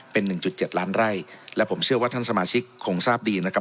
เป็นหนึ่งจุดเจ็ดล้านไร่และผมเชื่อว่าท่านสมาชิกคงทราบดีนะครับ